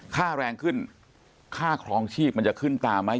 ค่าแรงขึ้นค่าครองชีพมันจะขึ้นตามไหม